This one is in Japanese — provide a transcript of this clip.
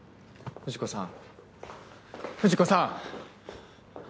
藤子さん！